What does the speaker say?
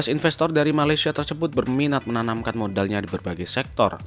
lima belas investor dari malaysia tersebut berminat menanamkan modalnya di berbagai sektor